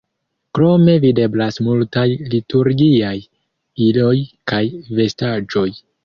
Krome videblas multaj liturgiaj iloj kaj vestaĵoj.